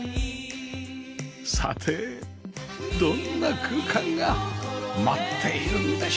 さてどんな空間が待っているんでしょうか